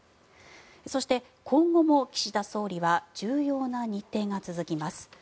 そして、今後も岸田総理は重要な日程が続きます。